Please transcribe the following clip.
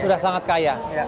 sudah sangat kaya